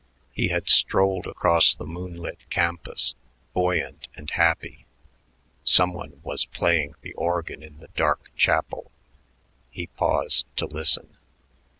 He had strolled across the moon lit campus, buoyant and happy. Some one was playing the organ in the dark chapel; he paused to listen.